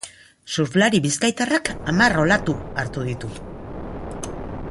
Surflari bizkaitarrak hamar olatu hartu ditu.